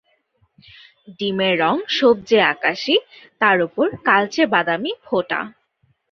ডিমের রঙ সবজে-আকাশী, তার উপর কালচে-বাদামী ফোঁটা।